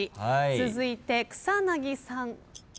続いて草薙さん。